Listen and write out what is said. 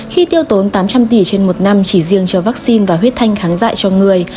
khi tiêu tốn tám trăm linh tỷ trên một năm chỉ riêng cho vaccine và huyết thanh kháng dại cho người